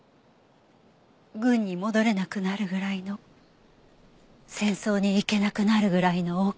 軍に戻れなくなるぐらいの戦争に行けなくなるぐらいの大怪我を。